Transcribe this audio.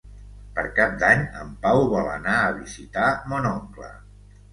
Per Cap d'Any en Pau vol anar a visitar mon oncle.